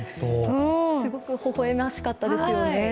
すごくほほ笑ましかったですよね。